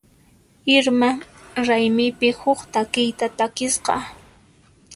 Irma raymipi huk takiyta takisqa.